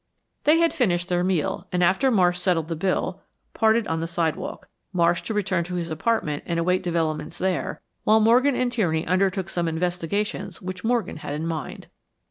They had finished their meal, and after Marsh settled the bill, parted on the sidewalk; Marsh to return to his apartment and await developments there, while Morgan and Tierney undertook some investigations which Morgan had in mind.